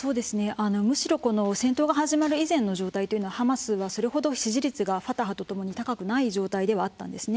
むしろ戦闘が始まる以前の状態というのはハマスはそれほど支持率がファタハとともに高くない状態ではあったんですね。